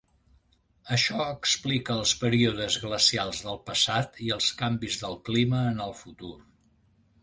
Això explica els períodes glacials del passat i els canvis del clima en el futur.